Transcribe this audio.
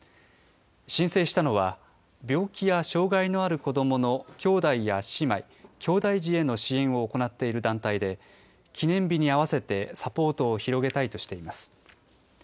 申請したのは、病気や障害のある子どもの兄弟や姉妹、きょうだい児への支援を行っている団体で、記念日に合わせてサポートを広げたいとしています。